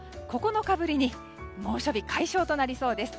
９日ぶりに猛暑日解消となりそうです。